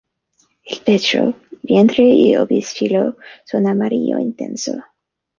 El pecho, vientre y obispillo son amarillo intenso.